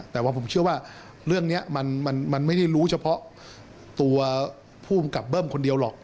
แต่ว่าผมเชื่อว่าเรื่องนี้มันไม่ได้รู้เฉพาะตัวภูมิกับเบิ้มคนเดียวหรอก